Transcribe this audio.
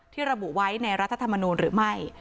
ระบุไว้ในรัฐธรรมนูลหรือไม่